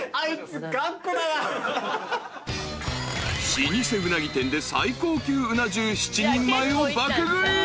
［老舗うなぎ店で最高級うな重７人前を爆食い］